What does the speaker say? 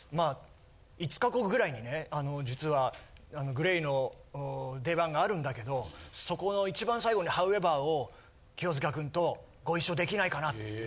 「５日後ぐらいに実はＧＬＡＹの出番があるんだけどそこの一番最後に『ＨＯＷＥＶＥＲ』を清塚君とご一緒できないかな」。